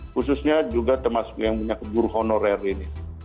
khususnya juga termasuk yang menyangkut guru honorer ini